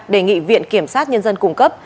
đề nghị viện kiểm sát nhân dân cung cấp